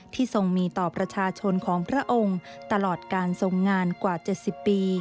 ทรงมีต่อประชาชนของพระองค์ตลอดการทรงงานกว่า๗๐ปี